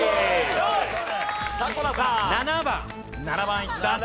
７番いった。